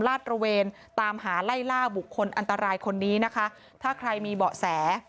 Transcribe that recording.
ลาดตระเวนตามหาไล่ล่าบุคคลอันตรายคนนี้นะคะถ้าใครมีเบาะแส